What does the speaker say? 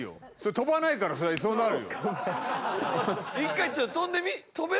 跳ばないからそりゃそうなるよ。ごめん。